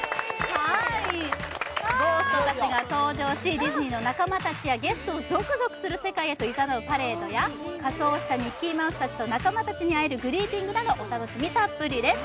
ゴーストたちが登場し、ディズニーの仲間たちやゲストをゾクゾクする世界へと誘うパレードや仮装したミッキーマウスたちと会えるグリーティングなどお楽しみたっぷりです。